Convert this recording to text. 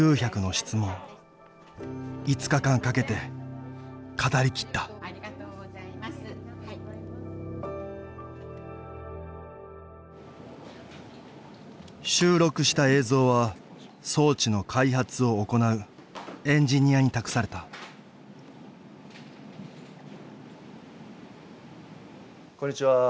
５日間かけて語り切った収録した映像は装置の開発を行うエンジニアに託されたこんにちは。